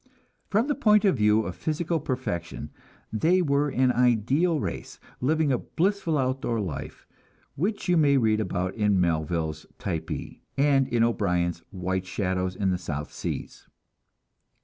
From the point of view of physical perfection, they were an ideal race, living a blissful outdoor life, which you may read about in Melville's "Typee," and in O'Brien's "White Shadows in the South Seas."